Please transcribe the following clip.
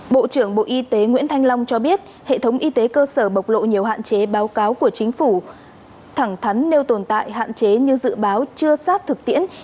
bộ trưởng bộ y tế nguyễn thanh long cho biết hệ thống y tế cơ sở bộc lộ nhiều hạn chế báo cáo của chính phủ thẳng thắn nêu tồn tại hạn chế như dự báo chưa sát thực tiễn